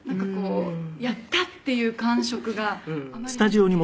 「やったっていう感触があまりなくて」